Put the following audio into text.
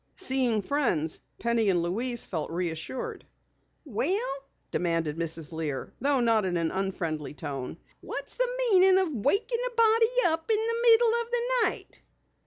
Seeing friends, Penny and Louise felt reassured. "Well?" demanded Mrs. Lear, though not in an unfriendly tone. "What's the meaning of waking a body up in the middle o' the night?"